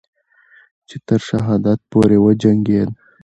چې تر شهادت پورې وجنگید